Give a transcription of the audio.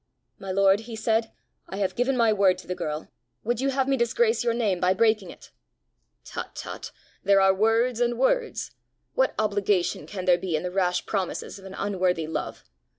"My lord," he said, "I have given my word to the girl: would you have me disgrace your name by breaking it?" "Tut! tut! there are words and words! What obligation can there be in the rash promises of an unworthy love!